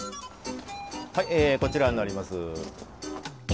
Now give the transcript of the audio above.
はいこちらになります。